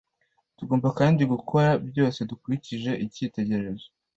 Tugomba kandi “gukora byose dukurikije icyitegererezo,